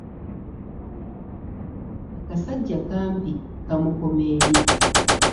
Akasajja kampi kamukoma eri.